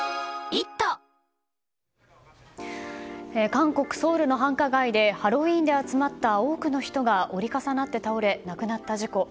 韓国ソウルの繁華街でハロウィーンで集まった多くの人が折り重なって倒れ亡くなった事故。